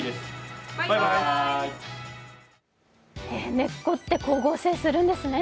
根っこって光合成するんですね。